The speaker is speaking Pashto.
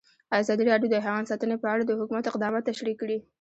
ازادي راډیو د حیوان ساتنه په اړه د حکومت اقدامات تشریح کړي.